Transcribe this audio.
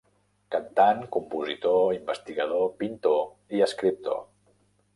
Cantant, compositor, investigador, pintor i escriptor.